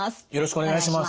お願いします。